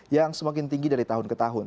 yang semakin tinggi dari tahun ke tahun